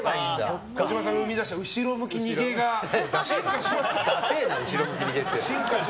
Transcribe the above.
児嶋さんが生み出した後ろ向き逃げが進化しましたよ。